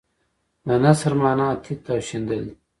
د نثر معنی تیت او شیندل دي.